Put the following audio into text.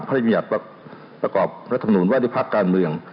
พมันประกอบและทำหนิวัฒนีภาคการเมือง